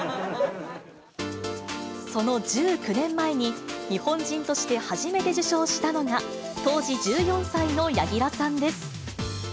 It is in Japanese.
その１９年前に、日本人として初めて受賞したのが、当時１４歳の柳楽さんです。